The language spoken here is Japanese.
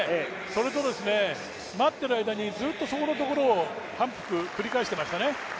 それと、待ってる間にずっとそこのところを反復、繰り返していましたね。